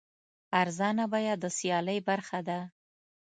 ارزانه بیه د سیالۍ برخه ده.